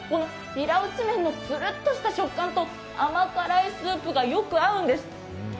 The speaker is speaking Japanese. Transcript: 平打ち麺のつるっとした食感と甘辛いスープがよく合うんです。